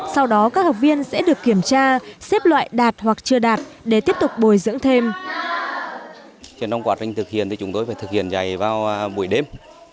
sau đó các học viên sẽ được kiểm tra xếp loại đạt hoặc phát âm